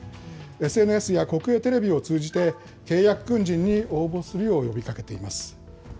ＳＮＳや国営テレビを通じて、契約軍人に応募するよう呼びかけています。